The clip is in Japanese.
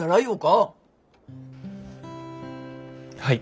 はい。